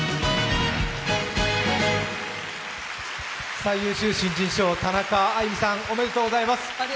最優秀新人賞、田中あいみさん、おめでとうございます。